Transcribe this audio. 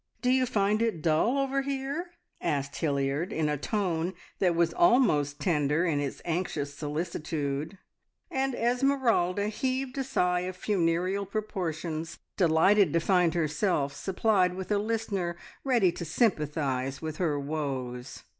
Do you find it dull over here?" asked Hilliard, in a tone that was almost tender in its anxious solicitude; and Esmeralda heaved a sigh of funereal proportions, delighted to find herself supplied with a listener ready to sympathise with her woes.